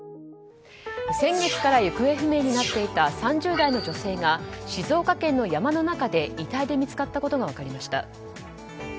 先月から行方不明になっていた３０代の女性が静岡県の山の中で遺体で見つかったことが分かりました。